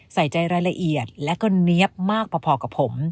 ใส่ใจรายละเอียดและก็เนี๊ยบมากพอกับผม